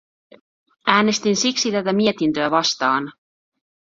Äänestin siksi tätä mietintöä vastaan.